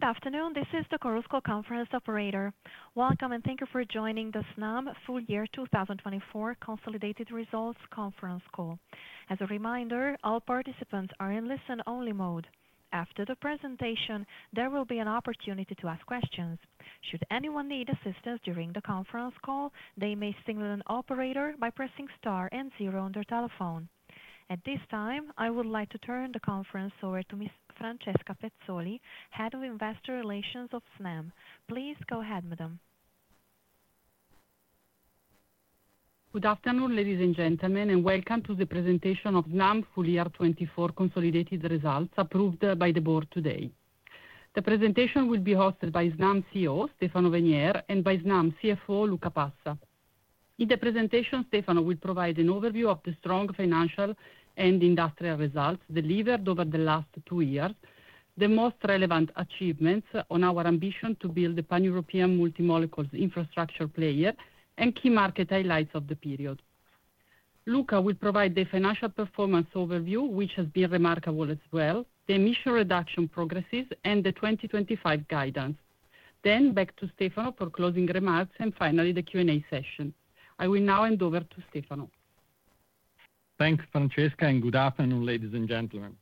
Good afternoon, this is the Chorus Call Conference Operator. Welcome and thank you for joining the Snam FY 2024 consolidated results conference call. As a reminder, all participants are in listen-only mode. After the presentation, there will be an opportunity to ask questions. Should anyone need assistance during the conference call, they may signal an operator by pressing star and zero on their telephone. At this time, I would like to turn the conference over to Ms. Francesca Pezzoli, Head of Investor Relations of Snam. Please go ahead, madam. Good afternoon, ladies and gentlemen, and welcome to the presentation of Snam FY 2024 Consolidated Results, approved by the board today. The presentation will be hosted by Snam CEO, Stefano Venier, and by Snam CFO, Luca Passa. In the presentation, Stefano will provide an overview of the strong financial and industrial results delivered over the last two years, the most relevant achievements on our ambition to build a pan-European multi-molecules infrastructure player, and key market highlights of the period. Luca will provide the financial performance overview, which has been remarkable as well, the emission reduction progresses, and the 2025 guidance. Back to Stefano for closing remarks, and finally the Q&A session. I will now hand over to Stefano. Thank you, Francesca, and good afternoon, ladies and gentlemen.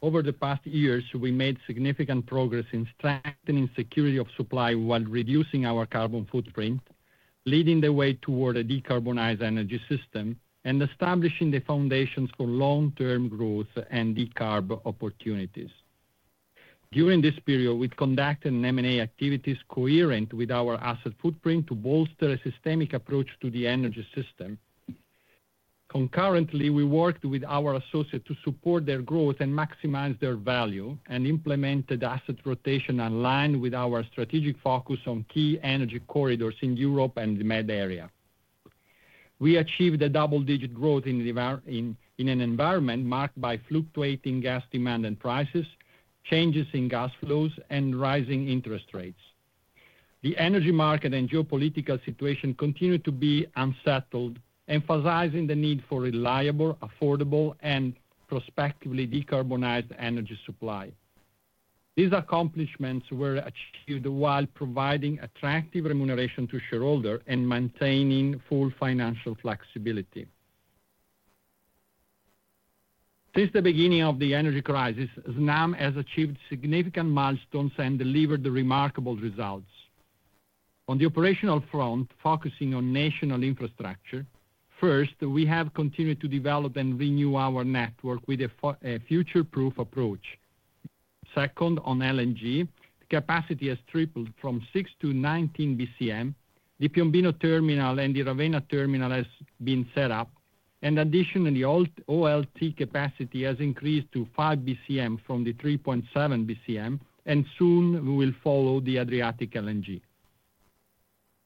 Over the past years, we made significant progress in strengthening security of supply while reducing our carbon footprint, leading the way toward a decarbonized energy system, and establishing the foundations for long-term growth and decarb opportunities. During this period, we conducted M&A activities coherent with our asset footprint to bolster a systemic approach to the energy system. Concurrently, we worked with our associates to support their growth and maximize their value, and implemented asset rotation aligned with our strategic focus on key energy corridors in Europe and the Med Area. We achieved a double-digit growth in an environment marked by fluctuating gas demand and prices, changes in gas flows, and rising interest rates. The energy market and geopolitical situation continue to be unsettled, emphasizing the need for reliable, affordable, and prospectively decarbonized energy supply. These accomplishments were achieved while providing attractive remuneration to shareholders and maintaining full financial flexibility. Since the beginning of the energy crisis, Snam has achieved significant milestones and delivered remarkable results. On the operational front, focusing on national infrastructure, first, we have continued to develop and renew our network with a future-proof approach. Second, on LNG, capacity has tripled from 6 BCM-19 BCM. The Piombino terminal and the Ravenna terminal have been set up, and additionally, OLT capacity has increased to 5 BCM from the 3.7 BCM, and soon we will follow the Adriatic LNG.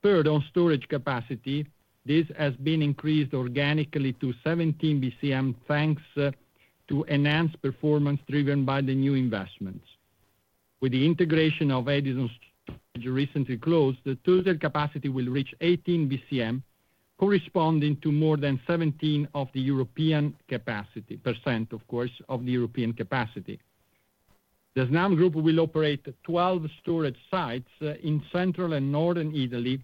Third, on storage capacity, this has been increased organically to 17 BCM thanks to enhanced performance driven by the new investments. With the integration of Edison's recently closed, the total capacity will reach 18 BCM, corresponding to more than 17% of the European capacity, of course, of the European capacity. The Snam Group will operate 12 storage sites in central and northern Italy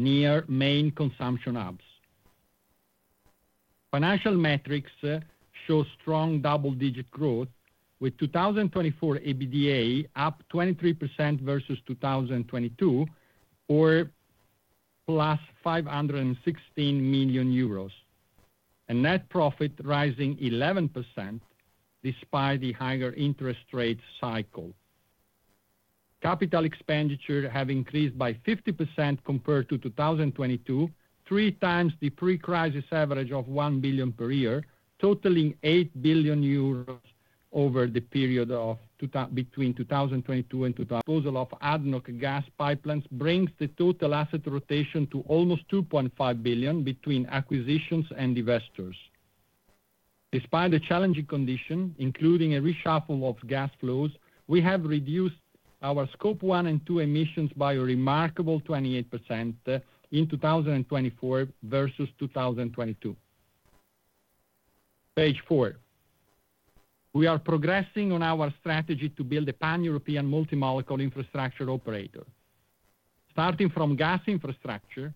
near main consumption hubs. Financial metrics show strong double-digit growth, with 2024 EBITDA up 23% versus 2022, or plus 516 million euros, and net profit rising 11% despite the higher interest rate cycle. Capital expenditure has increased by 50% compared to 2022, three times the pre-crisis average of 1 billion per year, totaling 8 billion euros over the period between 2022 and. Disposal of ADNOC Gas Pipelines brings the total asset rotation to almost 2.5 billion between acquisitions and investors. Despite the challenging condition, including a reshuffle of gas flows, we have reduced our Scope 1 and 2 emissions by a remarkable 28% in 2024 versus 2022. Page four. We are progressing on our strategy to build a pan-European multi-molecule infrastructure operator. Starting from gas infrastructure,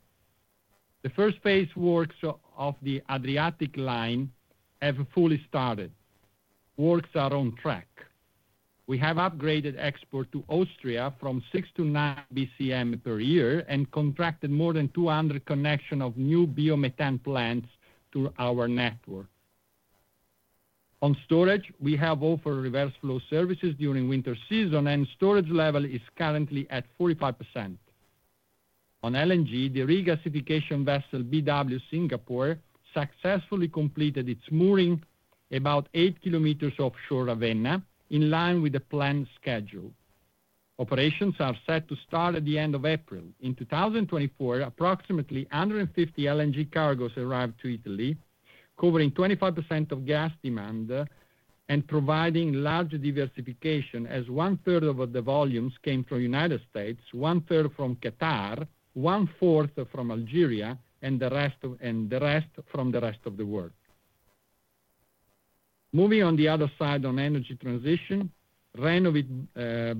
the first phase works of the Adriatic Line have fully started. Works are on track. We have upgraded export to Austria from 6 to 9 BCM per year and contracted more than 200 connections of new biomethane plants to our network. On storage, we have offered reverse flow services during winter season, and storage level is currently at 45%. On LNG, the regasification vessel BW Singapore successfully completed its mooring about 8 kilometers offshore Ravenna, in line with the planned schedule. Operations are set to start at the end of April. In 2024, approximately 150 LNG cargoes arrived to Italy, covering 25% of gas demand and providing large diversification, as one-third of the volumes came from the United States, one-third from Qatar, one-fourth from Algeria, and the rest from the rest of the world. Moving on the other side on energy transition, renovated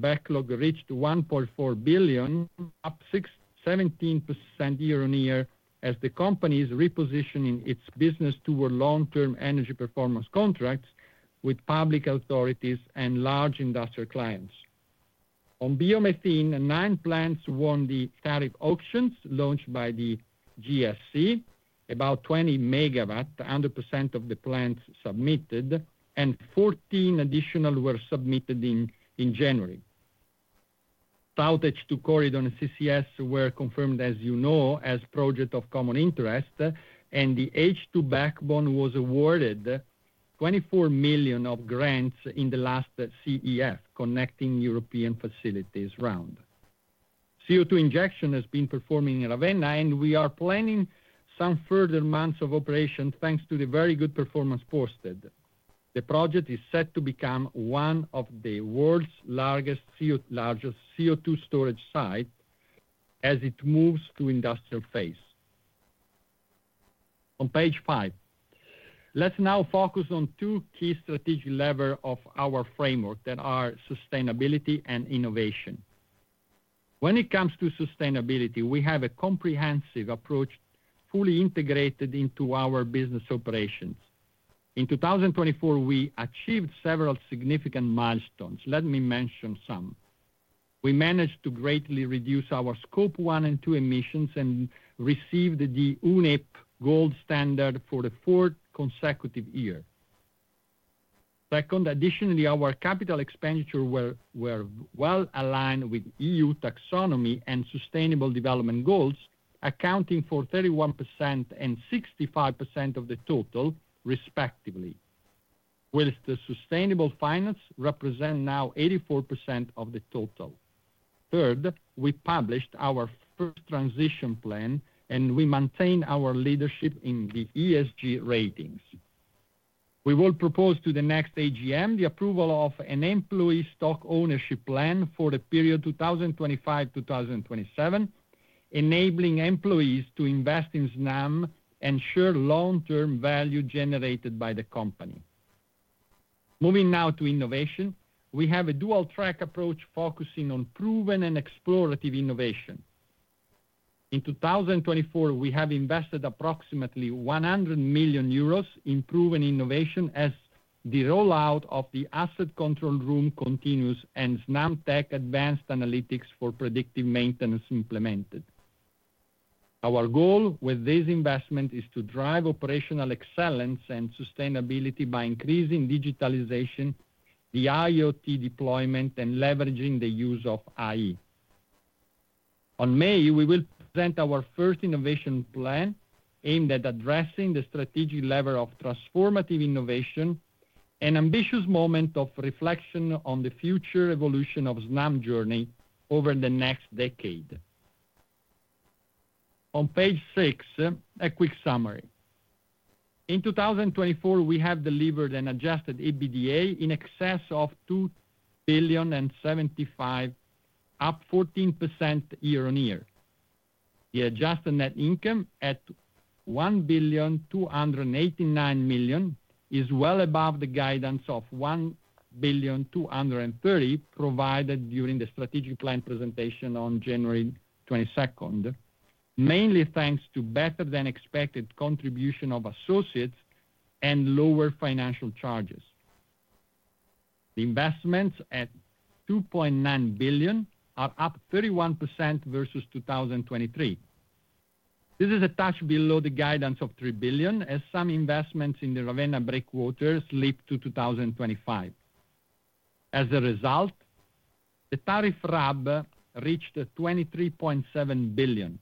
backlog reached 1.4 billion, up 17% year-on-year, as the company is repositioning its business toward long-term energy performance contracts with public authorities and large industrial clients. On biomethane, nine plants won the tariff auctions launched by the GSE, about 20 MW, 100% of the plants submitted, and 14 additional were submitted in January. Outage to corridor and CCS were confirmed, as you know, as a project of common interest, and the H2 backbone was awarded 24 million of grants in the last CEF, Connecting Europe Facility round. CO2 injection has been performing in Ravenna, and we are planning some further months of operation thanks to the very good performance posted. The project is set to become one of the world's largest CO2 storage sites as it moves to industrial phase. On page five, let's now focus on two key strategic levers of our framework that are sustainability and innovation. When it comes to sustainability, we have a comprehensive approach fully integrated into our business operations. In 2024, we achieved several significant milestones. Let me mention some. We managed to greatly reduce our Scope 1 and 2 emissions and received the UNEP gold standard for the fourth consecutive year. Second, additionally, our capital expenditure was well aligned with EU taxonomy and sustainable development goals, accounting for 31% and 65% of the total, respectively, with the sustainable finance representing now 84% of the total. Third, we published our first transition plan, and we maintain our leadership in the ESG ratings. We will propose to the next AGM the approval of an employee stock ownership plan for the period 2025-2027, enabling employees to invest in Snam and share long-term value generated by the company. Moving now to innovation, we have a dual-track approach focusing on proven and explorative innovation. In 2024, we have invested approximately 100 million euros in proven innovation as the rollout of the asset control room continues and SnamTec advanced analytics for predictive maintenance implemented. Our goal with this investment is to drive operational excellence and sustainability by increasing digitalization, the IoT deployment, and leveraging the use of AI. In May, we will present our first innovation plan aimed at addressing the strategic lever of transformative innovation, an ambitious moment of reflection on the future evolution of Snam's journey over the next decade. On page six, a quick summary. In 2024, we have delivered an adjusted EBITDA in excess of 2.075 billion, up 14% year-on-year. The adjusted net income at 1.289 billion is well above the guidance of 1.230 billion provided during the strategic plan presentation on January 22, mainly thanks to better-than-expected contribution of associates and lower financial charges. The investments at 2.9 billion are up 31% versus 2023. This is a touch below the guidance of 3 billion, as some investments in the Ravenna Breakwater slip to 2025. As a result, the tariff RAB reached 23.7 billion.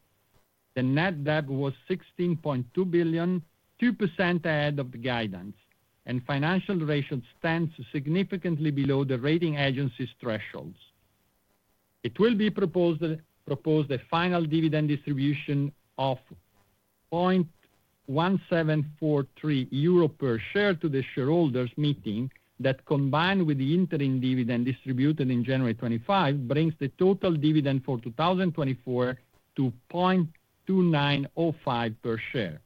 The net debt was 16.2 billion, 2% ahead of the guidance, and financial ratios stand significantly below the rating agency's thresholds. It will be proposed a final dividend distribution of 0.1743 euro per share to the shareholders, meaning that combined with the interim dividend distributed in January 2025, brings the total dividend for 2024 to 0.2905 per share.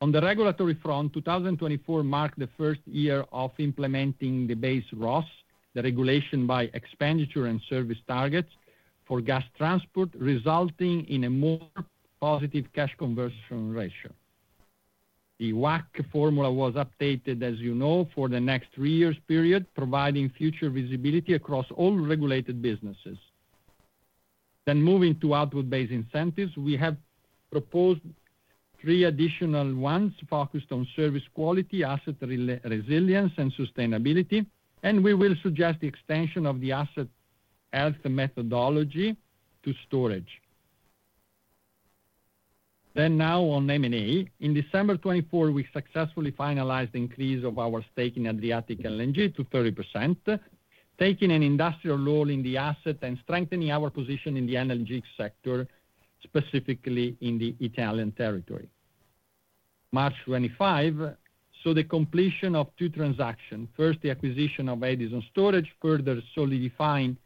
On the regulatory front, 2024 marked the first year of implementing the base ROSS, the regulation by expenditure and service targets for gas transport, resulting in a more positive cash conversion ratio. The WACC formula was updated, as you know, for the next three-year period, providing future visibility across all regulated businesses. Moving to output-based incentives, we have proposed three additional ones focused on service quality, asset resilience, and sustainability, and we will suggest the extension of the asset health methodology to storage. On M&A, in December 2024, we successfully finalized the increase of our stake in Adriatic LNG to 30%, taking an industrial role in the asset and strengthening our position in the energy sector, specifically in the Italian territory. March 2025 saw the completion of two transactions. First, the acquisition of Edison Storage, further solidifying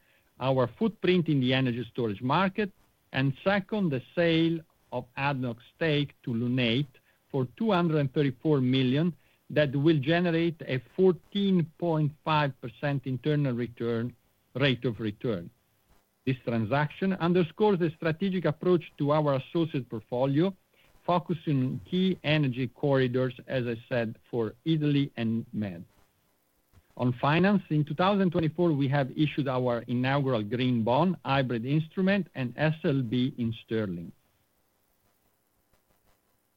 our footprint in the energy storage market, and second, the sale of ADNOC's stake to Lunate for 234 million that will generate a 14.5% internal rate of return. This transaction underscores the strategic approach to our associate portfolio, focusing on key energy corridors, as I said, for Italy and Med. On finance, in 2024, we have issued our inaugural green bond, hybrid instrument, and SLB in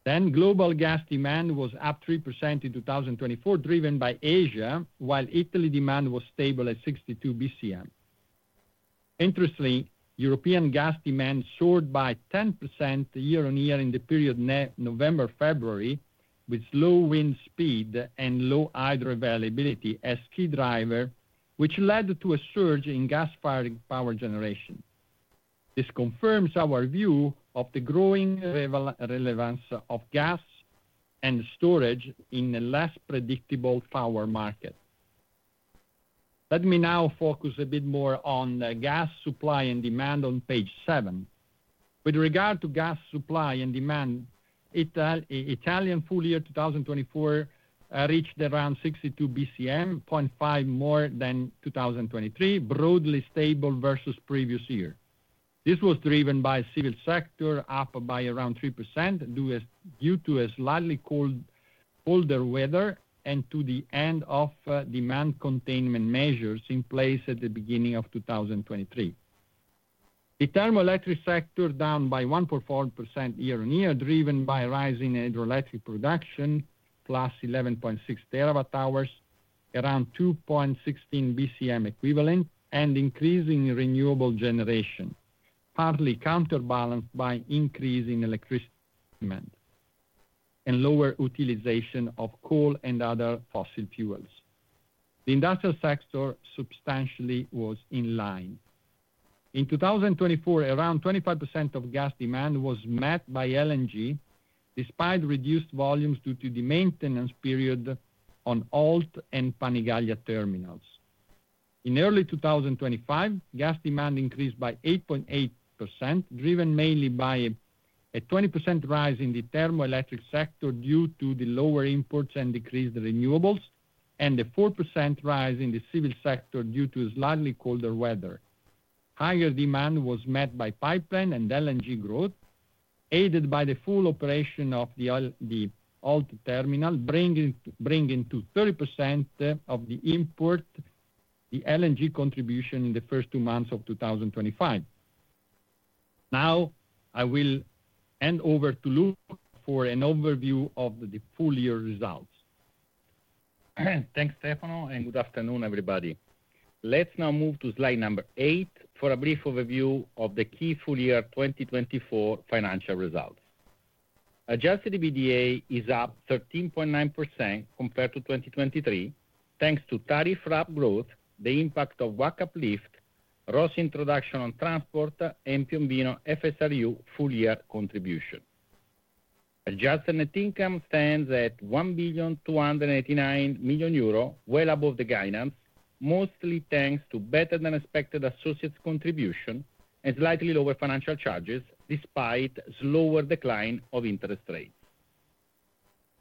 Sterling. Global gas demand was up 3% in 2024, driven by Asia, while Italy demand was stable at 62 BCM. Interestingly, European gas demand soared by 10% year-on-year in the period November-February, with low wind speed and low hydro availability as key driver, which led to a surge in gas-fired power generation. This confirms our view of the growing relevance of gas and storage in a less predictable power market. Let me now focus a bit more on gas supply and demand on page seven. With regard to gas supply and demand, Italian full year 2024 reached around 62 BCM, 0.5 more than 2023, broadly stable versus previous year. This was driven by civil sector up by around 3% due to slightly colder weather and to the end of demand containment measures in place at the beginning of 2023. The thermoelectric sector down by 1.4% year-on-year, driven by rising hydroelectric production, plus 11.6 TWh, around 2.16 BCM equivalent, and increasing renewable generation, partly counterbalanced by increasing electricity demand and lower utilization of coal and other fossil fuels. The industrial sector substantially was in line. In 2024, around 25% of gas demand was met by LNG, despite reduced volumes due to the maintenance period on OLT and Panigaglia terminals. In early 2025, gas demand increased by 8.8%, driven mainly by a 20% rise in the thermoelectric sector due to the lower imports and decreased renewables, and a 4% rise in the civil sector due to slightly colder weather. Higher demand was met by pipeline and LNG growth, aided by the full operation of the OLT terminal, bringing to 30% of the import the LNG contribution in the first two months of 2025. Now, I will hand over to Luca for an overview of the full year results. Thanks, Stefano, and good afternoon, everybody. Let's now move to slide number eight for a brief overview of the key full year 2024 financial results. Adjusted EBITDA is up 13.9% compared to 2023, thanks to tariff RAB growth, the impact of WACC uplift, ROSS introduction on transport, and Piombino FSRU full year contribution. Adjusted net income stands at 1,289,000,000 euro, well above the guidance, mostly thanks to better-than-expected associates' contribution and slightly lower financial charges, despite slower decline of interest rates.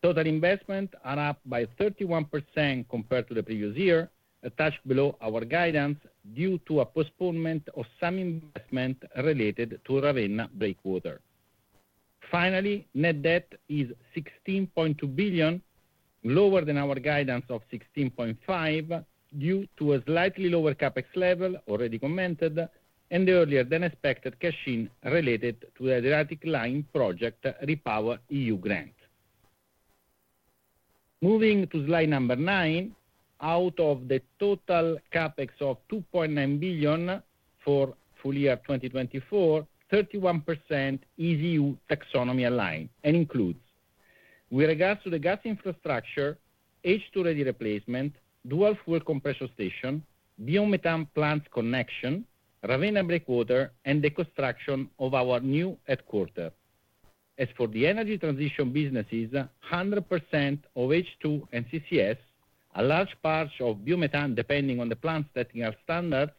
Total investment is up by 31% compared to the previous year, a touch below our guidance due to a postponement of some investment related to Ravenna Breakwater. Finally, net debt is 16.2 billion, lower than our guidance of 16.5 billion due to a slightly lower CapEx level already commented and the earlier-than-expected cash-in related to the Adriatic Line project REPowerEU grant. Moving to slide number nine, out of the total CapEx of 2.9 billion for full year 2024, 31% is EU taxonomy aligned and includes, with regards to the gas infrastructure, H2 ready replacement, dual fuel compression station, biomethane plant connection, Ravenna breakwater, and the construction of our new headquarter. As for the energy transition businesses, 100% of H2 and CCS, a large part of biomethane depending on the plant setting out standards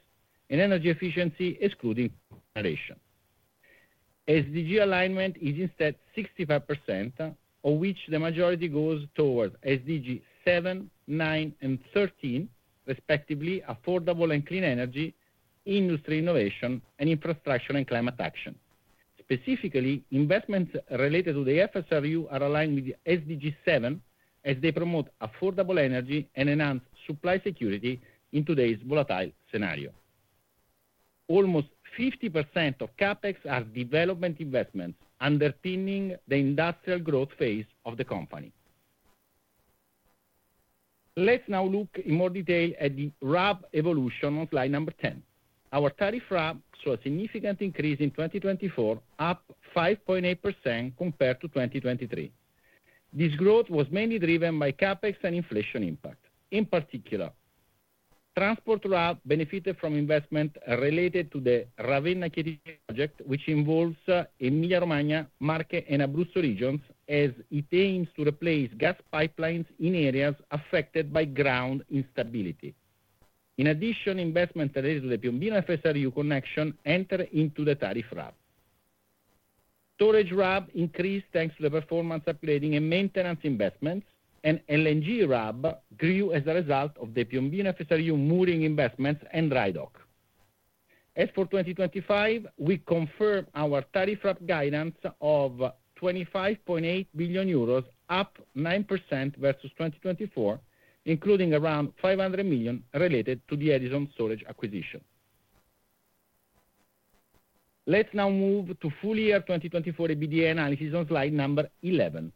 and energy efficiency, excluding generation. SDG alignment is instead 65%, of which the majority goes towards SDG 7, 9, and 13, respectively, affordable and clean energy, industry innovation, and infrastructure and climate action. Specifically, investments related to the FSRU are aligned with SDG 7, as they promote affordable energy and enhance supply security in today's volatile scenario. Almost 50% of CapEx are development investments underpinning the industrial growth phase of the company. Let's now look in more detail at the RAB evolution on slide number 10. Our tariff RAB saw a significant increase in 2024, up 5.8% compared to 2023. This growth was mainly driven by CapEx and inflation impact. In particular, transport RAB benefited from investment related to the Ravenna-Chieti project, which involves Emilia-Romagna, Marche, and Abruzzo regions, as it aims to replace gas pipelines in areas affected by ground instability. In addition, investment related to the Piombino FSRU connection entered into the tariff RAB. Storage RAB increased thanks to the performance upgrading and maintenance investments, and LNG RAB grew as a result of the Piombino FSRU moving investments and RIDOC. As for 2025, we confirm our tariff RAB guidance of 25.8 billion euros, up 9% versus 2024, including around 500 million related to the Edison Storage acquisition. Let's now move to full year 2024 EBITDA analysis on slide number 11.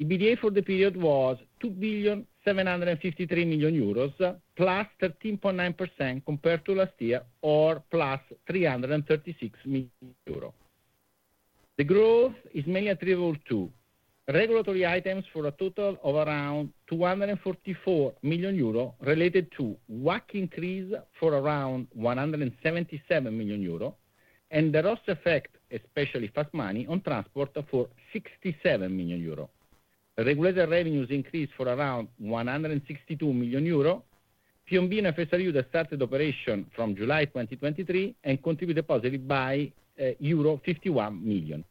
EBITDA for the period was 2,753,000,00 euros, plus 13.9% compared to last year, or plus 336 million euros. The growth is mainly attributable to regulatory items for a total of around 244 million euro related to WACC increase for around 177 million euro, and the ROSS effect, especially fast money, on transport for 67 million euro. Regulated revenues increased for around 162 million euro. Piombino FSRU that started operation from July 2023 and continued, deposited by euro 51 million.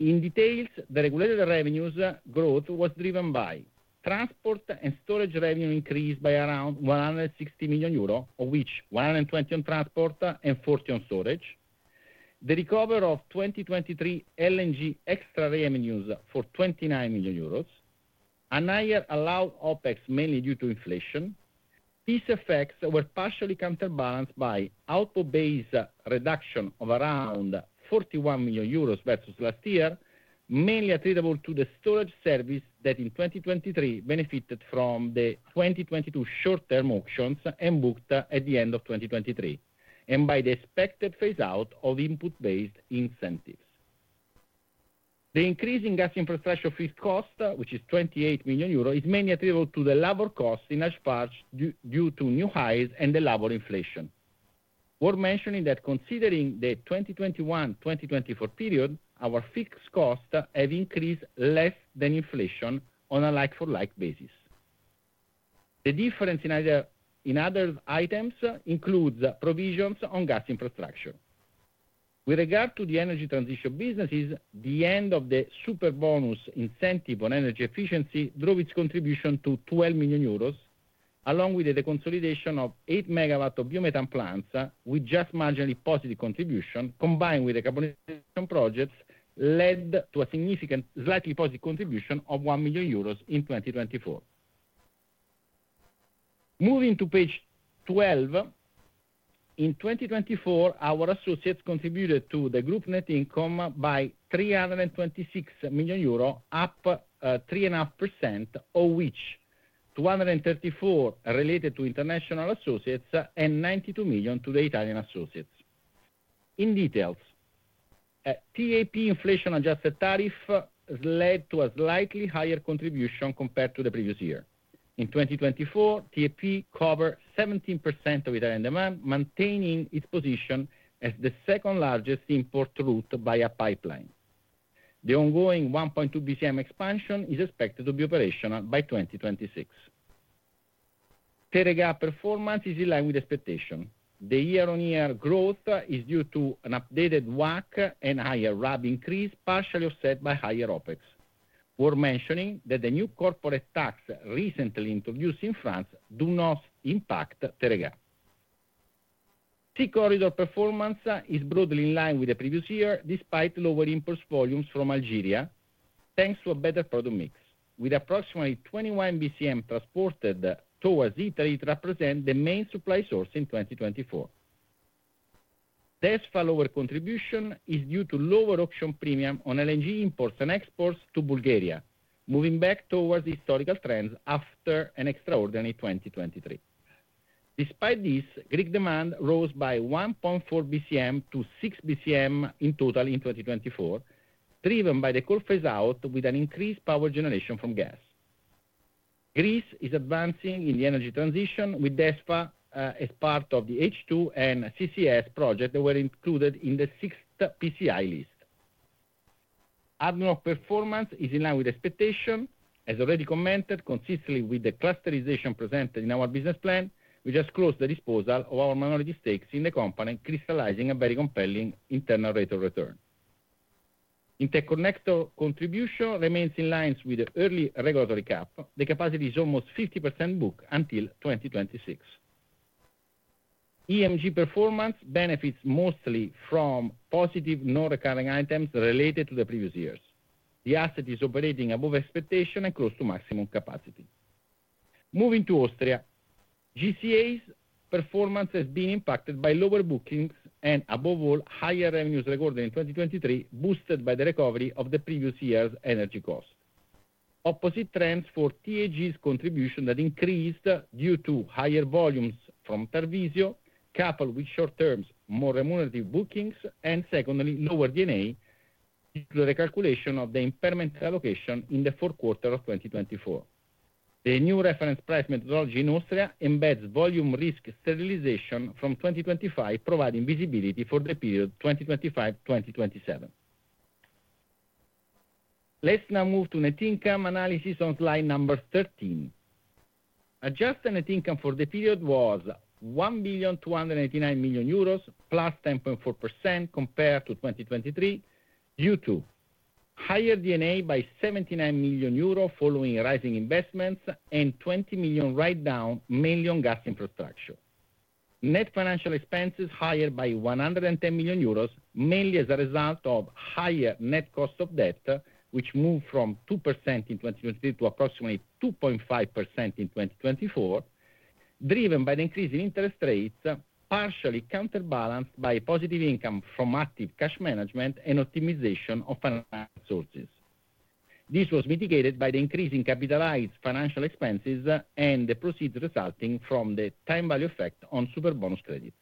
In detail, the regulated revenues growth was driven by transport and storage revenue increased by around 160 million euro, of which 120 million on transport and 40 million on storage. The recovery of 2023 LNG extra revenues for 29 million euros, another allowed OPEX mainly due to inflation. These effects were partially counterbalanced by output-based reduction of around 41 million euros versus last year, mainly attributable to the storage service that in 2023 benefited from the 2022 short-term auctions and booked at the end of 2023, and by the expected phase-out of input-based incentives. The increase in gas infrastructure fixed cost, which is 28 million euro, is mainly attributable to the labor cost in large part due to new hires and the labor inflation. Worth mentioning that considering the 2021-2024 period, our fixed costs have increased less than inflation on a like-for-like basis. The difference in other items includes provisions on gas infrastructure. With regard to the energy transition businesses, the end of the super bonus incentive on energy efficiency drove its contribution to 12 million euros, along with the consolidation of 8 MW of biomethane plants, with just marginally positive contribution, combined with the carbonization projects, led to a significant slightly positive contribution of 1 million euros in 2024. Moving to page 12, in 2024, our associates contributed to the group net income by 326 million euro, up 3.5%, of which 234 million related to international associates and 92 million to the Italian associates. In details, TAP inflation-adjusted tariff led to a slightly higher contribution compared to the previous year. In 2024, TAP covered 17% of Italian demand, maintaining its position as the second-largest import route via pipeline. The ongoing 1.2 BCM expansion is expected to be operational by 2026. Teréga performance is in line with expectations. The year-on-year growth is due to an updated WACC and higher RAB increase, partially offset by higher OPEX. Worth mentioning that the new corporate tax recently introduced in France does not impact Teréga. Sea Corridor performance is broadly in line with the previous year, despite lower import volumes from Algeria, thanks to a better product mix. With approximately 21 BCM transported towards Italy, it represents the main supply source in 2024. This follower contribution is due to lower auction premium on LNG imports and exports to Bulgaria, moving back towards the historical trends after an extraordinary 2023. Despite this, Greek demand rose by 1.4 BCM to 6 BCM in total in 2024, driven by the coal phase-out with an increased power generation from gas. Greece is advancing in the energy transition, with DESFA as part of the H2 and CCS projects that were included in the sixth PCI list. ADNOC performance is in line with expectations, as already commented, consistently with the clusterization presented in our business plan, which has closed the disposal of our minority stakes in the company, crystallizing a very compelling internal rate of return. Interconnector contribution remains in line with the early regulatory cap. The capacity is almost 50% booked until 2026. EMG performance benefits mostly from positive non-recurring items related to the previous years. The asset is operating above expectation and close to maximum capacity. Moving to Austria, GCA's performance has been impacted by lower bookings and, above all, higher revenues recorded in 2023, boosted by the recovery of the previous year's energy cost. Opposite trends for TAG's contribution that increased due to higher volumes from Tarvisio, coupled with short-term more remunerative bookings, and secondly, lower DNA, include a recalculation of the impairment allocation in the fourth quarter of 2024. The new reference price methodology in Austria embeds volume risk stabilization from 2025, providing visibility for the period 2025-2027. Let's now move to net income analysis on slide number 13. Adjusted net income for the period was 1,289,000,000 euros, plus 10.4% compared to 2023, due to higher DNA by 79 million euro following rising investments and 20 million write-down mainly on gas infrastructure. Net financial expenses higher by 110 million euros, mainly as a result of higher net cost of debt, which moved from 2% in 2023 to approximately 2.5% in 2024, driven by the increase in interest rates, partially counterbalanced by positive income from active cash management and optimization of financial sources. This was mitigated by the increase in capitalized financial expenses and the proceeds resulting from the time value effect on super bonus credits.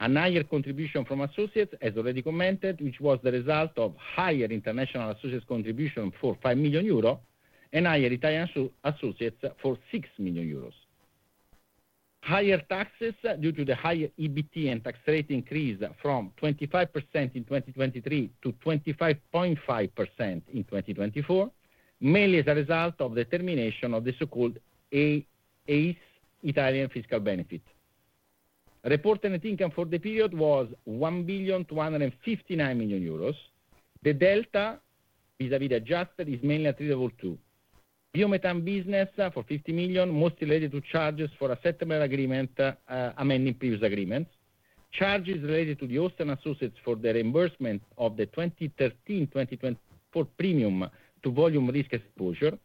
A higher contribution from associates, as already commented, which was the result of higher international associates' contribution for 5 million euros and higher Italian associates for 6 million euros. Higher taxes due to the higher EBT and tax rate increase from 25% in 2023 to 25.5% in 2024, mainly as a result of the termination of the so-called ACE Italian fiscal benefit. Reported net income for the period was 1,259,000,000 euros. The delta vis-à-vis the adjusted is mainly attributable to biomethane business for 50 million, mostly related to charges for a settlement agreement amending previous agreements. Charges related to the Austrian associates for the reimbursement of the 2013-2024 premium to volume risk exposure,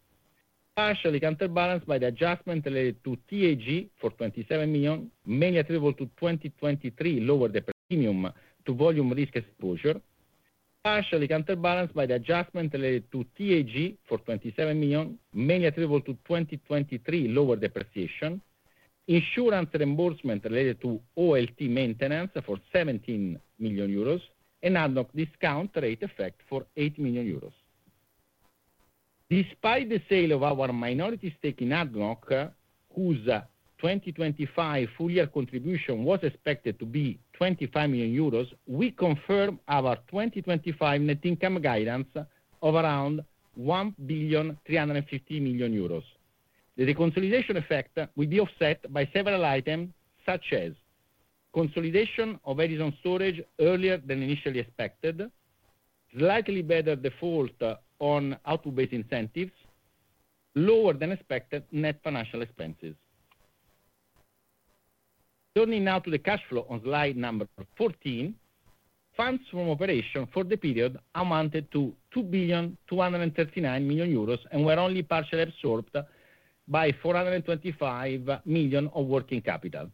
partially counterbalanced by the adjustment related to TAG for 27 million, mainly attributable to 2023 lower depreciation, insurance reimbursement related to OLT maintenance for 17 million euros, and ADNOC discount rate effect for 8 million euros. Despite the sale of our minority stake in ADNOC, whose 2025 full year contribution was expected to be 25 million euros, we confirm our 2025 net income guidance of around 1,350,000,000 euros. The consolidation effect will be offset by several items, such as consolidation of Edison Storage earlier than initially expected, slightly better default on output-based incentives, and lower than expected net financial expenses. Turning now to the cash flow on slide number 14, funds from operation for the period amounted to 2,239,000,000 euros and were only partially absorbed by 425 million of working capital.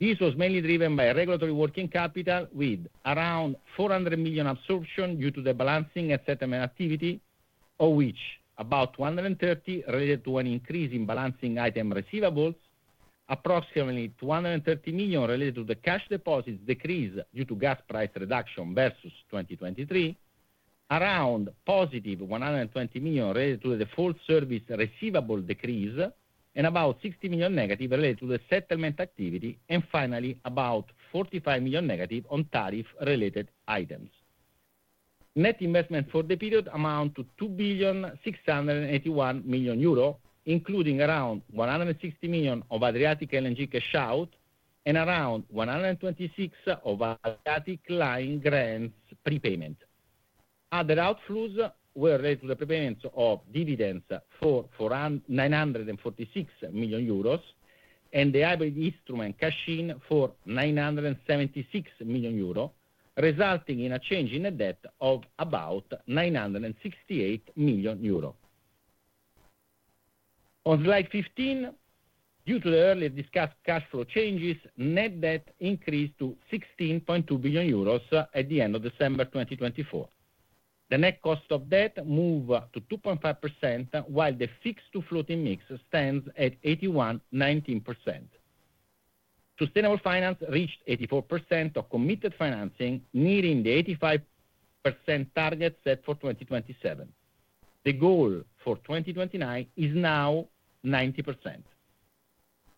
This was mainly driven by regulatory working capital with around 400 million absorption due to the balancing and settlement activity, of which about 230 million related to an increase in balancing item receivables, approximately 230 million related to the cash deposits decrease due to gas price reduction versus 2023, around positive 120 million related to the full service receivable decrease, and about 60 million negative related to the settlement activity, and finally about 45 million negative on tariff-related items. Net investment for the period amounted to 2,681,000,000 euro, including around 160 million of Adriatic LNG cash-out and around 126 million of Adriatic Line grants prepayment. Other outflows were related to the prepayments of dividends for 946 million euros and the hybrid instrument cash-in for 976 million euros, resulting in a change in net debt of about 968 million euros. On slide 15, due to the earlier discussed cash flow changes, net debt increased to 16.2 billion euros at the end of December 2024. The net cost of debt moved to 2.5%, while the fixed to floating mix stands at 81.19%. Sustainable finance reached 84% of committed financing, nearing the 85% target set for 2027. The goal for 2029 is now 90%.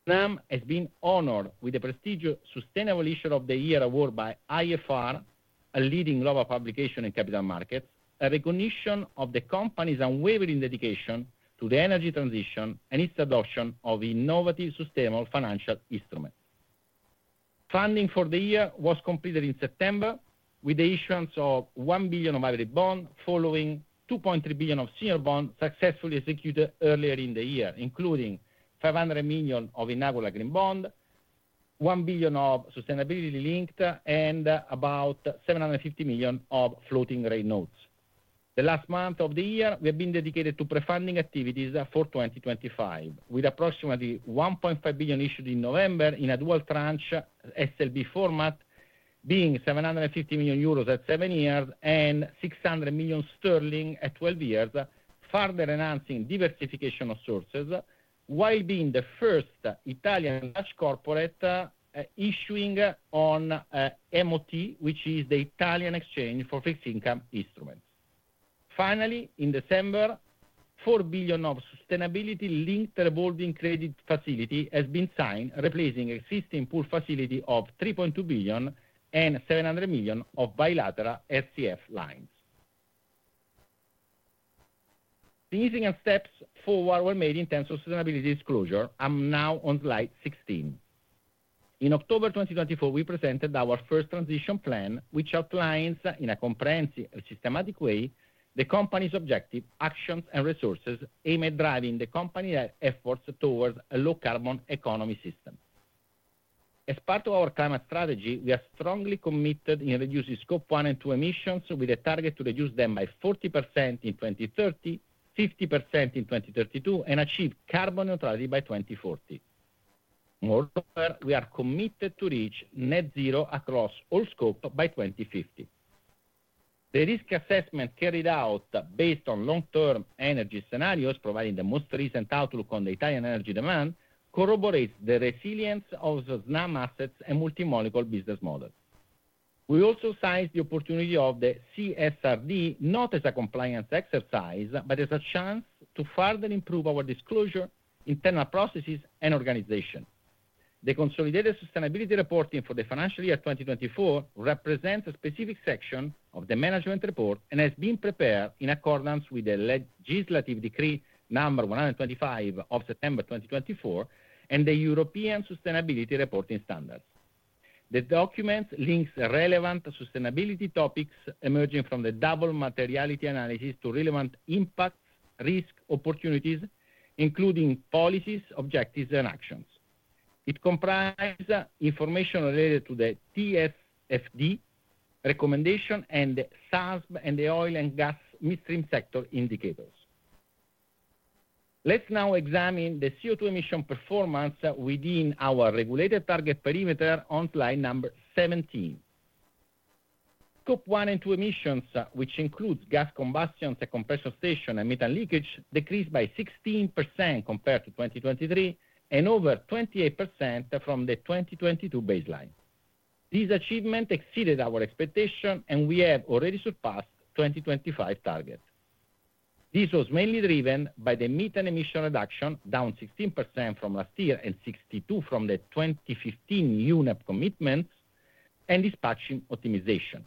Snam has been honored with the prestigious Sustainable Issuer of the Year award by IFR, a leading global publication in capital markets, a recognition of the company's unwavering dedication to the energy transition and its adoption of innovative sustainable financial instruments. Funding for the year was completed in September, with the issuance of 1 billion of hybrid bonds, following 2.3 billion of senior bonds successfully executed earlier in the year, including 500 million of inaugural green bonds, 1 billion of sustainability linked, and about 750 million of floating rate notes. The last month of the year, we have been dedicated to pre-funding activities for 2025, with approximately 1.5 billion issued in November in a dual tranche SLB format, being 750 million euros at seven years and EUR 600 million at 12 years, further enhancing diversification of sources, while being the first Italian large corporate issuing on MOT, which is the Italian exchange for fixed income instruments. Finally, in December, 4 billion of sustainability linked revolving credit facility has been signed, replacing existing pool facility of 3.2 billion and 700 million of bilateral RCF lines. Significant steps forward were made in terms of sustainability disclosure. I'm now on slide 16. In October 2024, we presented our first transition plan, which outlines in a comprehensive and systematic way the company's objectives, actions, and resources aimed at driving the company's efforts towards a low-carbon economy system. As part of our climate strategy, we are strongly committed to reducing Scope 1 and 2 emissions, with a target to reduce them by 40% in 2030, 50% in 2032, and achieve carbon neutrality by 2040. Moreover, we are committed to reach net zero across all Scope by 2050. The risk assessment carried out based on long-term energy scenarios, providing the most recent outlook on the Italian energy demand, corroborates the resilience of Snam assets and multi-molecule business model. We also sized the opportunity of the CSRD not as a compliance exercise, but as a chance to further improve our disclosure, internal processes, and organization. The consolidated sustainability reporting for the financial year 2024 represents a specific section of the management report and has been prepared in accordance with the legislative decree number 125 of September 2024 and the European Sustainability Reporting Standards. The document links relevant sustainability topics emerging from the double materiality analysis to relevant impacts, risks, opportunities, including policies, objectives, and actions. It comprises information related to the TCFD recommendation and the SASB and the oil and gas midstream sector indicators. Let's now examine the CO2 emission performance within our regulated target perimeter on slide number 17. Scope 1 and 2 emissions, which includes gas combustion, compressor station, and methane leakage, decreased by 16% compared to 2023 and over 28% from the 2022 baseline. These achievements exceeded our expectations, and we have already surpassed the 2025 target. This was mainly driven by the methane emission reduction, down 16% from last year and 62% from the 2015 UNEP commitments and dispatching optimization.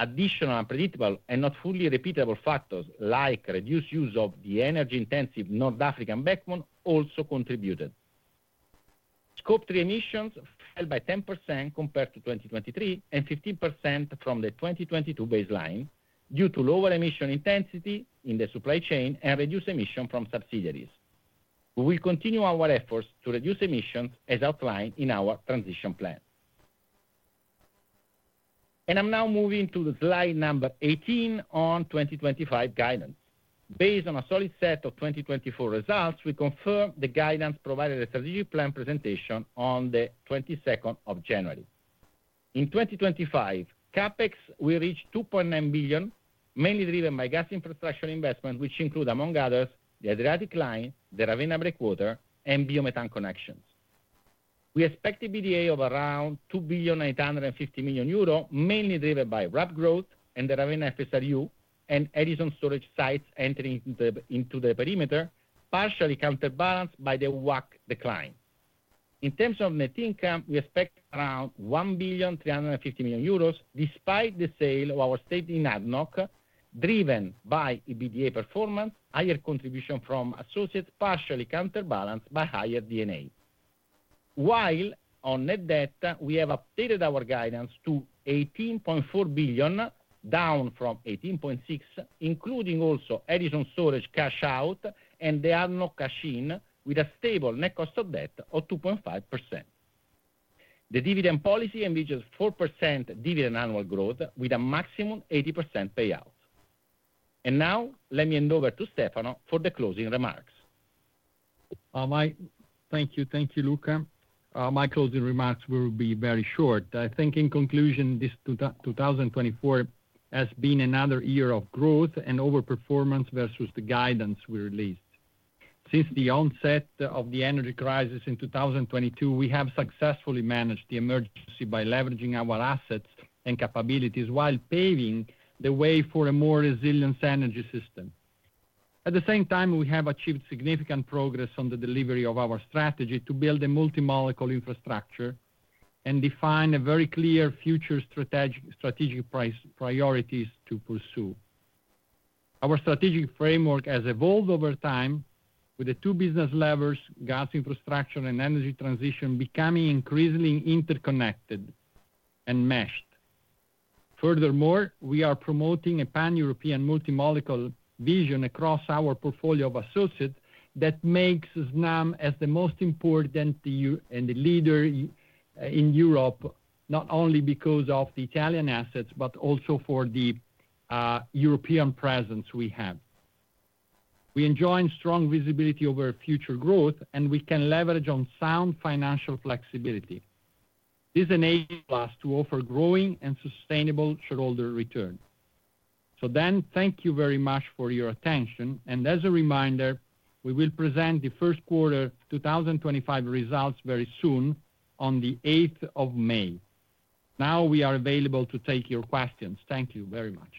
Additional unpredictable and not fully repeatable factors, like reduced use of the energy-intensive North African backbone, also contributed. Scope 3 emissions fell by 10% compared to 2023 and 15% from the 2022 baseline due to lower emission intensity in the supply chain and reduced emissions from subsidiaries. We will continue our efforts to reduce emissions, as outlined in our transition plan. I am now moving to slide number 18 on 2025 guidance. Based on a solid set of 2024 results, we confirm the guidance provided in the strategic plan presentation on the 22nd of January. In 2025, CapEx will reach 2.9 billion, mainly driven by gas infrastructure investments, which include, among others, the Adriatic Line, the Ravenna Breakwater, and biomethane connections. We expect EBITDA of around 2 billion 850 million, mainly driven by RAB growth and the Ravenna FSRU and Edison Storage sites entering into the perimeter, partially counterbalanced by the WACC decline. In terms of net income, we expect around 1,350,000,000 euros, despite the sale of our stake in ADNOC, driven by EBITDA performance, higher contribution from associates, partially counterbalanced by higher D&A. While on net debt, we have updated our guidance to 18.4 billion, down from 18.6 billion, including also Edison Storage cash-out and the ADNOC cash-in, with a stable net cost of debt of 2.5%. The dividend policy envisions 4% dividend annual growth, with a maximum 80% payout. Now, let me hand over to Stefano for the closing remarks. Thank you. Thank you, Luca. My closing remarks will be very short. I think in conclusion, this 2024 has been another year of growth and overperformance versus the guidance we released. Since the onset of the energy crisis in 2022, we have successfully managed the emergency by leveraging our assets and capabilities while paving the way for a more resilient energy system. At the same time, we have achieved significant progress on the delivery of our strategy to build a multi-molecule infrastructure and define very clear future strategic priorities to pursue. Our strategic framework has evolved over time, with the two business levers, gas infrastructure and energy transition, becoming increasingly interconnected and meshed. Furthermore, we are promoting a pan-European multi-molecule vision across our portfolio of associates that makes Snam as the most important and the leader in Europe, not only because of the Italian assets, but also for the European presence we have. We enjoin strong visibility over future growth, and we can leverage on sound financial flexibility. This enables us to offer growing and sustainable shareholder return. Thank you very much for your attention. As a reminder, we will present the first quarter 2025 results very soon on the 8th of May. Now we are available to take your questions. Thank you very much.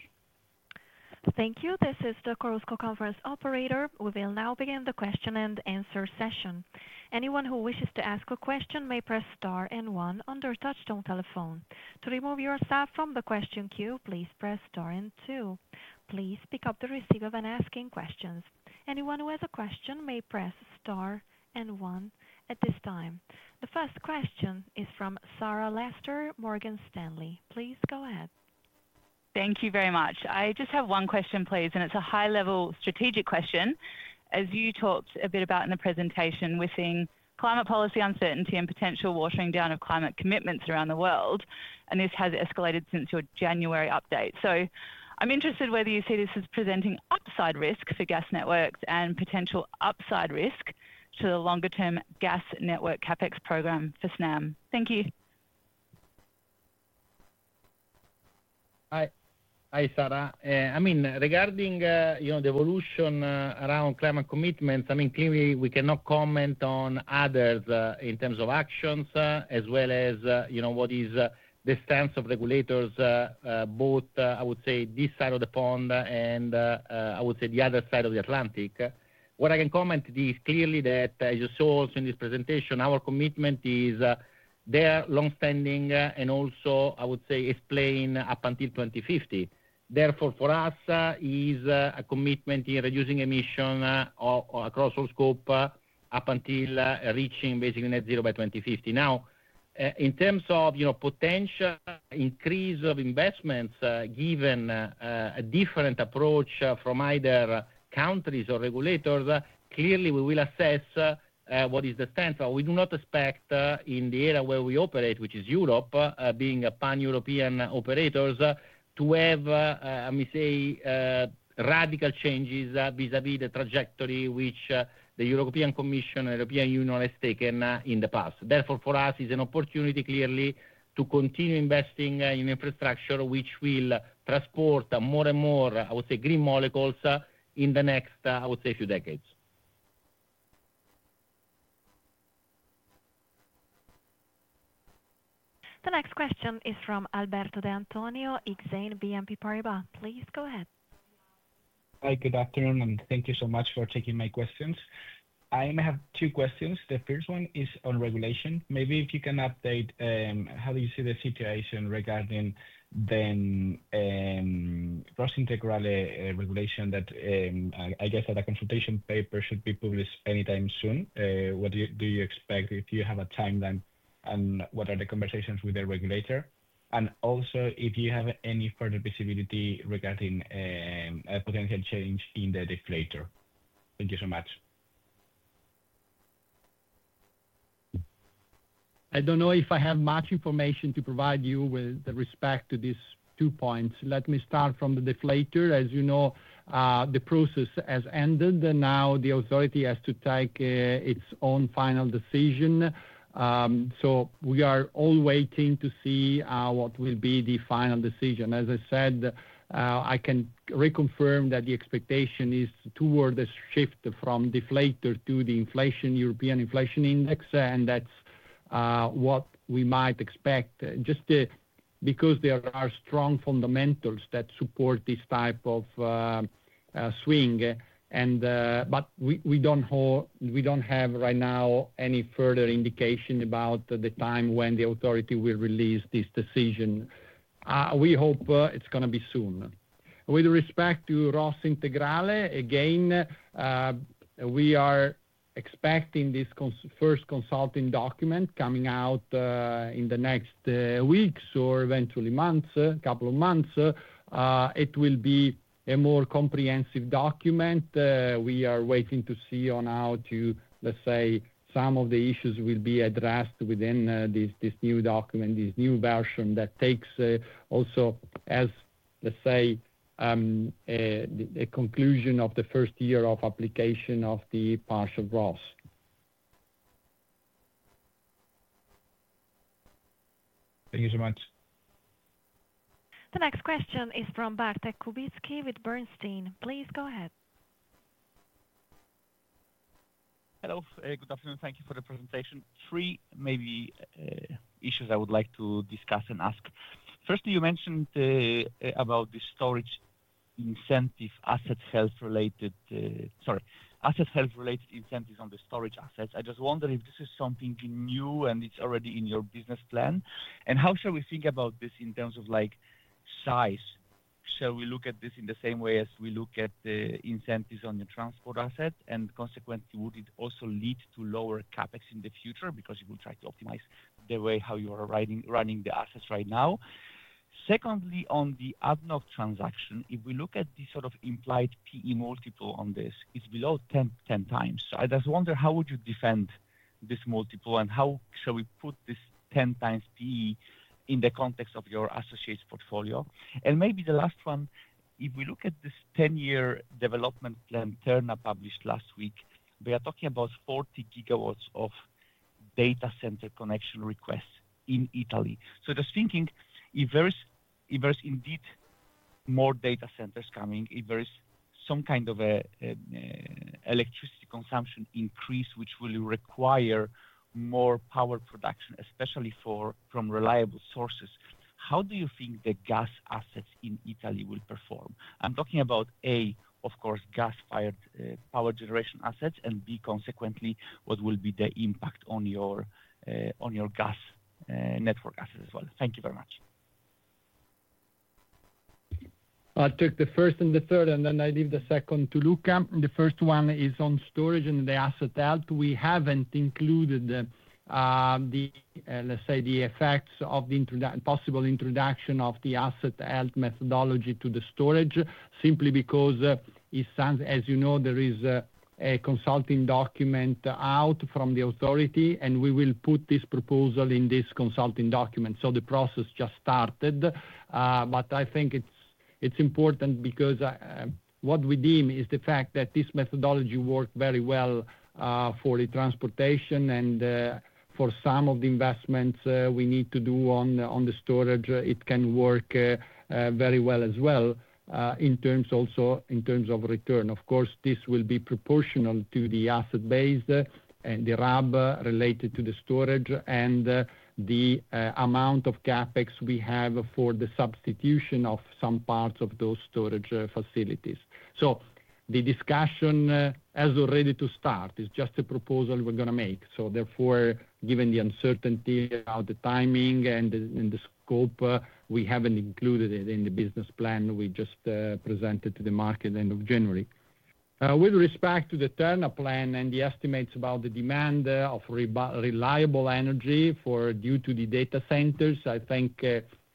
Thank you. This is the Chorus Call conference operator. We will now begin the question and answer session. Anyone who wishes to ask a question may press star and one under touchdown telephone. To remove yourself from the question queue, please press star and two. Please pick up the receiver when asking questions. Anyone who has a question may press star and one at this time. The first question is from Sarah Lester Morgan Stanley. Please go ahead. Thank you very much. I just have one question, please, and it's a high-level strategic question. As you talked a bit about in the presentation, we're seeing climate policy uncertainty and potential watering down of climate commitments around the world, and this has escalated since your January update. I am interested whether you see this as presenting upside risk for gas networks and potential upside risk to the longer-term gas network CapEx program for Snam. Thank you. Hi. Hi, Sarah. I mean, regarding the evolution around climate commitments, I mean, clearly we cannot comment on others in terms of actions, as well as what is the stance of regulators, both, I would say, this side of the pond and, I would say, the other side of the Atlantic. What I can comment to this clearly that, as you saw also in this presentation, our commitment is there longstanding and also, I would say, explain up until 2050. Therefore, for us, it is a commitment in reducing emission across all scope up until reaching basically net zero by 2050. Now, in terms of potential increase of investments, given a different approach from either countries or regulators, clearly we will assess what is the stance. We do not expect in the area where we operate, which is Europe, being a pan-European operators, to have, I may say, radical changes vis-à-vis the trajectory which the European Commission and European Union has taken in the past. Therefore, for us, it is an opportunity clearly to continue investing in infrastructure which will transport more and more, I would say, green molecules in the next, I would say, few decades. The next question is from Alberto De Antonio, BNP Paribas Exane. Please go ahead. Hi, good afternoon, and thank you so much for taking my questions. I have two questions. The first one is on regulation. Maybe if you can update, how do you see the situation regarding the cross-integral regulation that, I guess, at a consultation paper should be published anytime soon? What do you expect if you have a timeline and what are the conversations with the regulator? Also, if you have any further visibility regarding a potential change in the deflator. Thank you so much. I don't know if I have much information to provide you with respect to these two points. Let me start from the deflator. As you know, the process has ended. Now the authority has to take its own final decision. We are all waiting to see what will be the final decision. As I said, I can reconfirm that the expectation is toward a shift from deflator to the European Inflation Index, and that's what we might expect. Just because there are strong fundamentals that support this type of swing. We don't have right now any further indication about the time when the authority will release this decision. We hope it's going to be soon. With respect to ROSS Integrale, again, we are expecting this first consulting document coming out in the next weeks or eventually months, a couple of months. It will be a more comprehensive document. We are waiting to see on how to, let's say, some of the issues will be addressed within this new document, this new version that takes also, let's say, the conclusion of the first year of application of the partial ROSS. Thank you so much. The next question is from Bartlomiej Kubicki with Bernstein. Please go ahead. Hello. Good afternoon. Thank you for the presentation. Three maybe issues I would like to discuss and ask. First, you mentioned about the storage incentive asset health-related, sorry, asset health-related incentives on the storage assets. I just wonder if this is something new and it's already in your business plan. How should we think about this in terms of size? Shall we look at this in the same way as we look at the incentives on your transport asset? Consequently, would it also lead to lower CapEx in the future because you will try to optimize the way how you are running the assets right now? Secondly, on the ADNOC transaction, if we look at the sort of implied PE multiple on this, it is below 10 times. I just wonder how would you defend this multiple and how shall we put this 10 times PE in the context of your associates' portfolio? Maybe the last one, if we look at this 10-year development plan, Terna published last week, they are talking about 40 GW of data center connection requests in Italy. Just thinking, if there's indeed more data centers coming, if there's some kind of electricity consumption increase which will require more power production, especially from reliable sources, how do you think the gas assets in Italy will perform? I'm talking about, A, of course, gas-fired power generation assets and, B, consequently, what will be the impact on your gas network assets as well? Thank you very much. I'll take the first and the third, and then I leave the second to Luca. The first one is on storage and the asset health. We haven't included the, let's say, the effects of the possible introduction of the asset health methodology to the storage simply because, as you know, there is a consulting document out from the authority, and we will put this proposal in this consulting document. The process just started. I think it's important because what we deem is the fact that this methodology works very well for the transportation and for some of the investments we need to do on the storage, it can work very well as well in terms also in terms of return. Of course, this will be proportional to the asset base and the RAB related to the storage and the amount of CapEx we have for the substitution of some parts of those storage facilities. The discussion has already to start. It's just a proposal we're going to make. Therefore, given the uncertainty about the timing and the scope, we haven't included it in the business plan we just presented to the market at the end of January. With respect to the Terna plan and the estimates about the demand of reliable energy due to the data centers, I think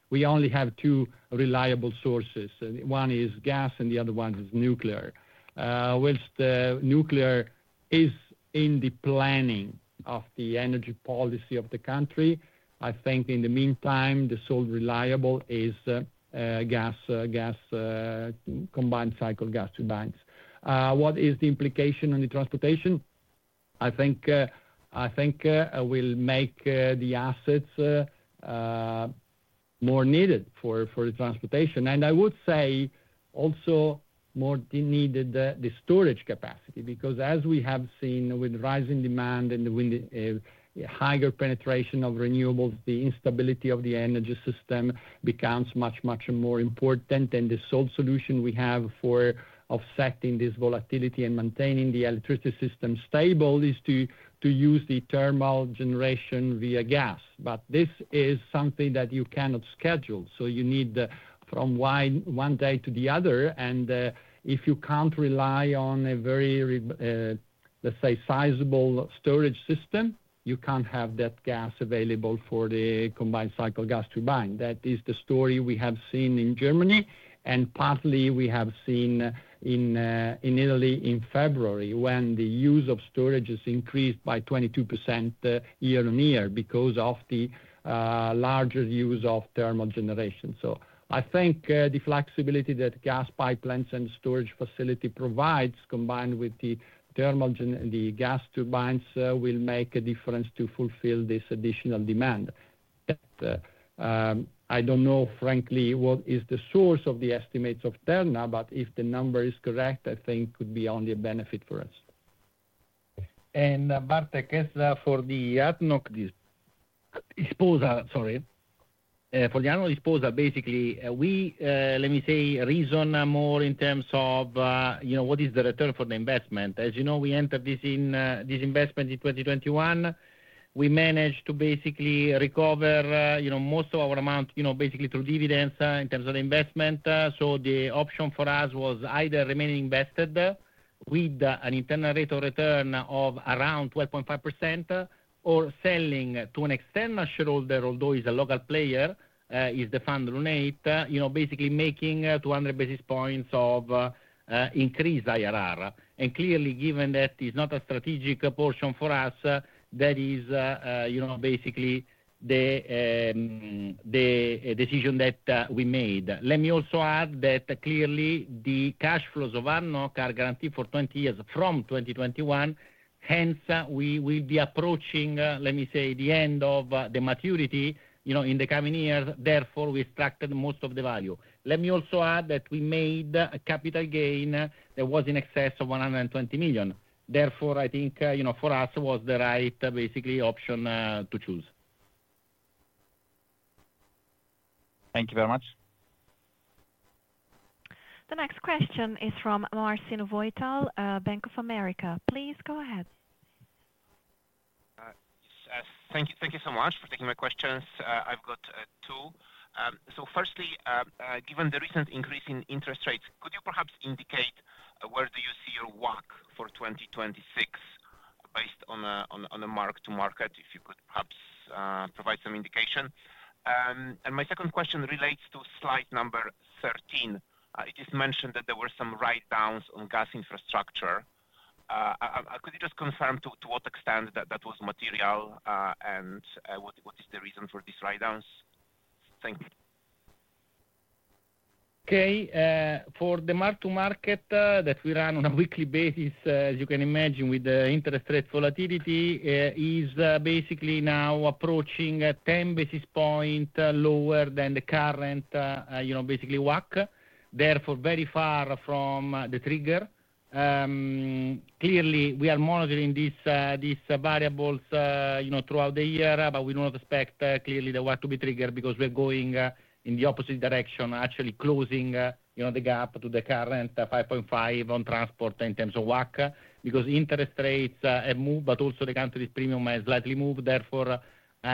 we only have two reliable sources. One is gas and the other one is nuclear. Whilst nuclear is in the planning of the energy policy of the country, I think in the meantime, the sole reliable is gas, combined cycle gas to banks. What is the implication on the transportation? I think we'll make the assets more needed for the transportation. I would say also more needed the storage capacity because as we have seen with rising demand and the higher penetration of renewables, the instability of the energy system becomes much, much more important. The sole solution we have for offsetting this volatility and maintaining the electricity system stable is to use the thermal generation via gas. This is something that you cannot schedule. You need from one day to the other. If you can't rely on a very, let's say, sizable storage system, you can't have that gas available for the combined cycle gas turbine. That is the story we have seen in Germany. Partly we have seen it in Italy in February when the use of storage has increased by 22% year on year because of the larger use of thermal generation. I think the flexibility that gas pipelines and storage facility provides, combined with the thermal gas turbines, will make a difference to fulfill this additional demand. I don't know, frankly, what is the source of the estimates of Terna, but if the number is correct, I think it could be only a benefit for us. Bartek, as for the ADNOC disposal, sorry, for the ADNOC disposal, basically, we, let me say, reason more in terms of what is the return for the investment. As you know, we entered this investment in 2021. We managed to basically recover most of our amount basically through dividends in terms of the investment. The option for us was either remaining invested with an internal rate of return of around 12.5% or selling to an external shareholder, although he is a local player, is the fund Lunate, basically making 200 basis points of increased IRR. Clearly, given that it is not a strategic portion for us, that is basically the decision that we made. Let me also add that clearly the cash flows of ADNOC are guaranteed for 20 years from 2021. Hence, we will be approaching, let me say, the end of the maturity in the coming years. Therefore, we extracted most of the value. Let me also add that we made a capital gain that was in excess of 120 million. Therefore, I think for us was the right basically option to choose. Thank you very much. The next question is from Marcin Wojtal, Bank of America. Please go ahead. Thank you so much for taking my questions. I've got two. Firstly, given the recent increase in interest rates, could you perhaps indicate where do you see your WACC for 2026 based on a mark-to-market, if you could perhaps provide some indication? My second question relates to slide number 13. It is mentioned that there were some write-downs on gas infrastructure. Could you just confirm to what extent that was material and what is the reason for these write-downs? Thank you. Okay. For the mark-to-market that we run on a weekly basis, as you can imagine, with the interest rate volatility is basically now approaching 10 basis points lower than the current basically WACC. Therefore, very far from the trigger. Clearly, we are monitoring these variables throughout the year, but we do not expect clearly there to be trigger because we're going in the opposite direction, actually closing the gap to the current 5.5 on transport in terms of WACC because interest rates have moved, but also the country's premium has slightly moved. Therefore,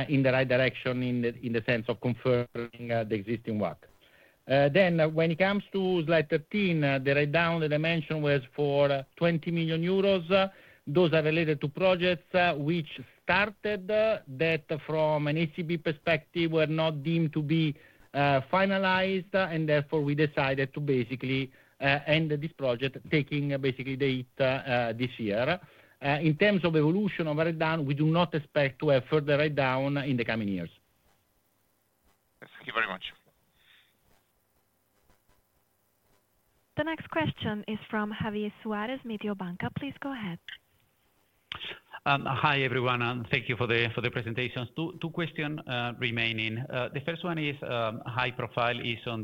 in the right direction in the sense of confirming the existing WACC. When it comes to slide 13, the write-down that I mentioned was for 20 million euros. Those are related to projects which started that from an ECB perspective were not deemed to be finalized. Therefore, we decided to basically end this project, taking basically the heat this year. In terms of evolution of write-down, we do not expect to have further write-down in the coming years. Thank you very much. The next question is from Javier Suárez, Mediobanca. Please go ahead. Hi everyone. Thank you for the presentations. Two questions remaining. The first one is high profile is on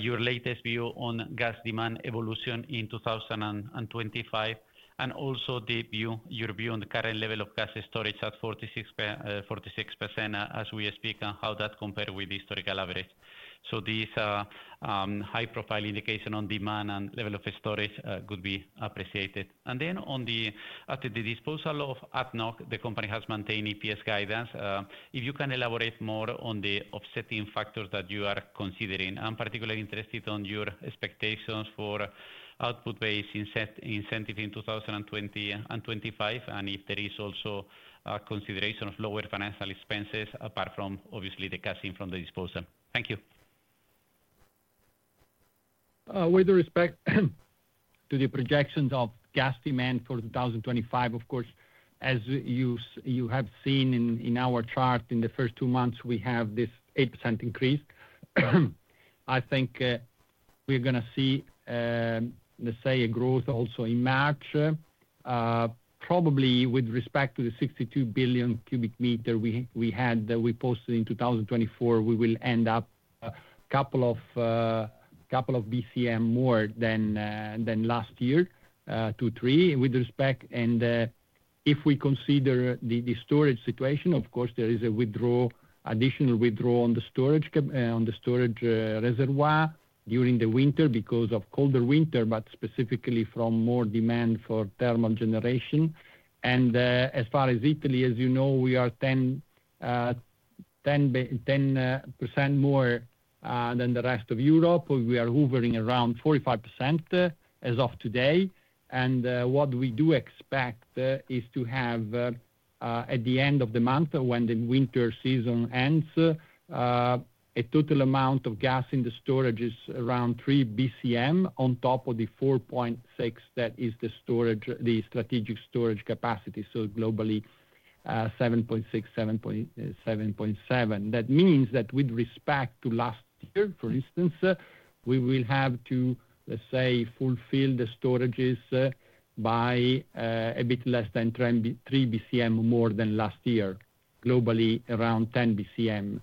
your latest view on gas demand evolution in 2025 and also your view on the current level of gas storage at 46% as we speak and how that compares with the historical average. This high profile indication on demand and level of storage could be appreciated. After the disposal of ADNOC, the company has maintained EPS guidance. If you can elaborate more on the offsetting factors that you are considering. I'm particularly interested in your expectations for output-based incentives in 2020 and 2025 and if there is also consideration of lower financial expenses apart from obviously the cash in from the disposal. Thank you. With respect to the projections of gas demand for 2025, of course, as you have seen in our chart, in the first two months, we have this 8% increase. I think we're going to see, let's say, a growth also in March. Probably with respect to the 62 billion cubic meters we had that we posted in 2024, we will end up a couple of BCM more than last year, two, three. With respect, and if we consider the storage situation, of course, there is a withdrawal, additional withdrawal on the storage reservoir during the winter because of colder winter, but specifically from more demand for thermal generation. As far as Italy, as you know, we are 10% more than the rest of Europe. We are hovering around 45% as of today. What we do expect is to have at the end of the month when the winter season ends, a total amount of gas in the storage is around 3 BCM on top of the 4.6 bc that is the strategic storage capacity. Globally, 7.6 BCM -7.7 bcm. That means that with respect to last year, for instance, we will have to, let's say, fulfill the storages by a bit less than 3 BCM more than last year, globally around 10 BCM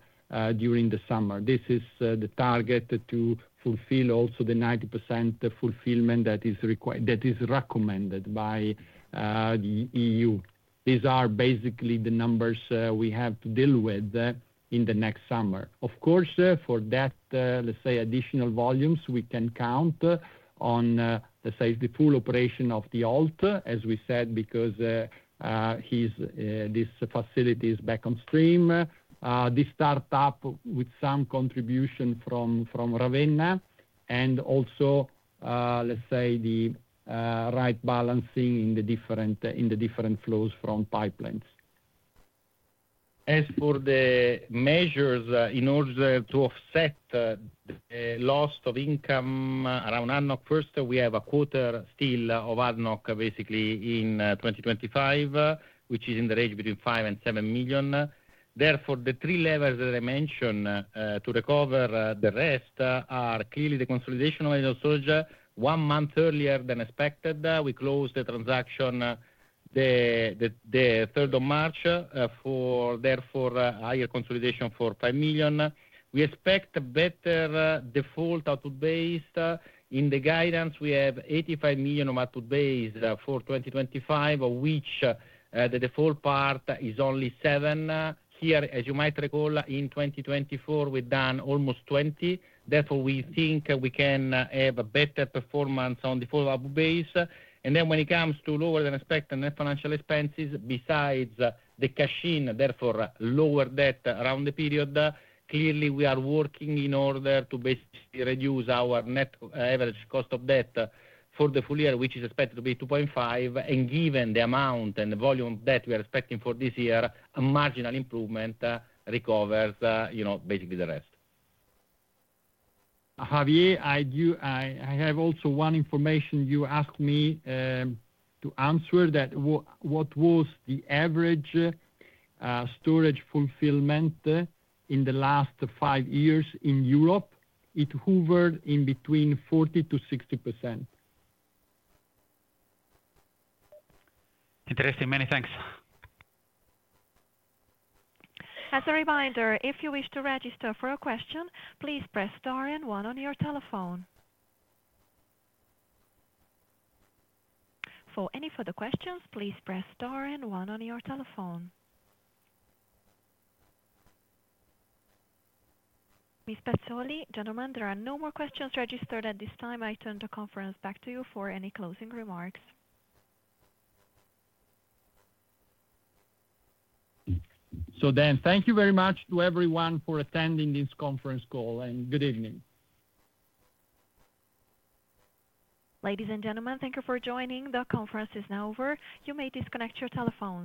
during the summer. This is the target to fulfill also the 90% fulfillment that is recommended by the EU. These are basically the numbers we have to deal with in the next summer. Of course, for that, let's say, additional volumes, we can count on, let's say, the full operation of the OLT, as we said, because this facility is back on stream. This startup with some contribution from Ravenna and also, let's say, the right balancing in the different flows from pipelines. As for the measures in order to offset the loss of income around ADNOC, first, we have a quarter still of ADNOC basically in 2025, which is in the range between 5 million and 7 million. Therefore, the three levers that I mentioned to recover the rest are clearly the consolidation of the storage. One month earlier than expected, we closed the transaction the 3rd of March for, therefore, higher consolidation for 5 million. We expect better default output-based. In the guidance, we have 85 million of output-based for 2025, of which the default part is only 7 million. Here, as you might recall, in 2024, we've done almost 20. Therefore, we think we can have a better performance on the full output-based. Then when it comes to lower than expected net financial expenses, besides the cash in, therefore, lower debt around the period, clearly we are working in order to basically reduce our net average cost of debt for the full year, which is expected to be 2.5%. Given the amount and the volume of debt we are expecting for this year, a marginal improvement recovers basically the rest. Javier, I have also one information you asked me to answer that what was the average storage fulfillment in the last five years in Europe, it hovered in between 40%-60%. Interesting. Many thanks. As a reminder, if you wish to register for a question, please press star and one on your telephone. For any further questions, please press star and one on your telephone. Ms. Pezzoli, gentlemen, there are no more questions registered at this time. I turn the conference back to you for any closing remarks. Thank you very much to everyone for attending this conference call and good evening. Ladies and gentlemen, thank you for joining. The conference is now over. You may disconnect your telephone.